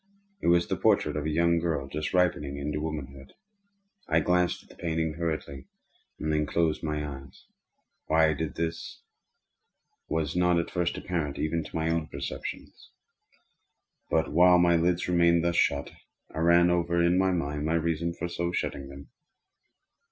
It was the portrait of a young girl just ripening into womanhood. I glanced at the painting hurriedly, and then closed my eyes. Why I did this was not at first apparent even to my own perception. But while my lids remained thus shut, I ran over in my mind my reason for so shutting them.